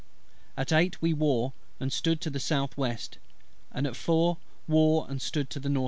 At eight we wore, and stood to the S.W.; and at four wore and stood to the N.E.